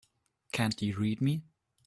Can't you read me?